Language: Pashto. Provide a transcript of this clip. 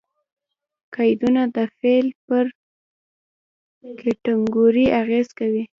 قیدونه د فعل پر کېټګوري اغېز کوي.